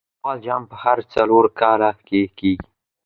نړۍوال جام په هرو څلور کاله کښي کیږي.